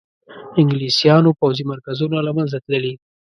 انګلیسیانو پوځي مرکزونه له منځه تللي.